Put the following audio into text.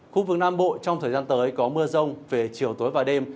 khu vực nam bộ trong thời gian tới có mưa rông về chiều tối và đêm